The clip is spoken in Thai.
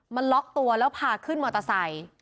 มันล็อกตัวแล้วพาขึ้นมอเตอร์ไซค์